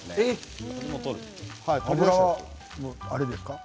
脂はあれですか？